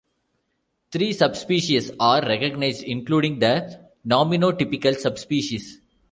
Three subspecies are recognized, including the nominotypical subspecies.